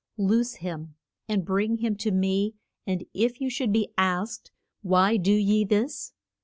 Loose him, and bring him to me, and if you should be asked, Why do ye this?